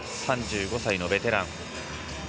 ３５歳のベテラン。